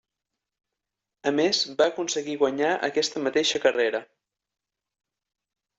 A més, va aconseguir guanyar aquesta mateixa carrera.